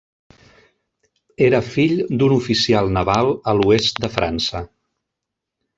Era fill d'un oficial naval a l'oest de França.